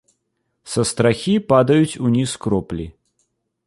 Са страхі падаюць уніз кроплі.